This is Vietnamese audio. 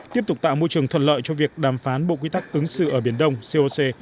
tiếp tục tạo môi trường thuận lợi cho việc đàm phán bộ quy tắc ứng xử ở biển đông coc